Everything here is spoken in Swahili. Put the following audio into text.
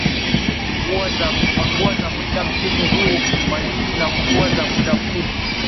mvua za muda mrefu msimu wa manyunyu na mvua za muda mfupi